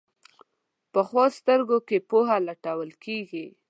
پخو سترګو کې پوهه لټول کېږي